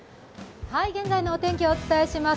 現在のお天気、お伝えします。